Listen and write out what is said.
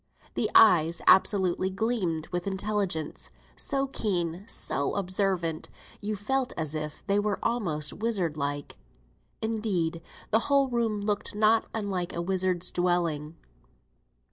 The eyes absolutely gleamed with intelligence; so keen, so observant, you felt as if they were almost wizard like. Indeed, the whole room looked not unlike a wizard's dwelling.